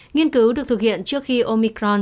nghiên cứu được thực hiện trước khi omicron